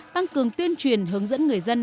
tăng cường tuyên truyền hướng dẫn người dân